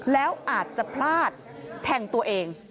แล้วอาจจะพลาดแทงตัวเอง